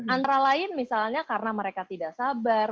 antara lain misalnya karena mereka tidak sabar